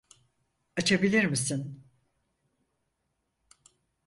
Açabilir misin?